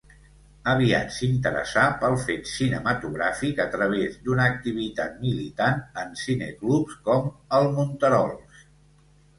Aviat s'interessà pel fet cinematogràfic a través d'una activitat militant en cineclubs com el Monterols.